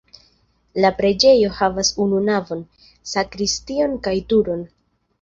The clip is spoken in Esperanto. La preĝejo havas unu navon, sakristion kaj turon.